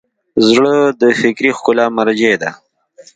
زړه د فکري ښکلا مرجع ده.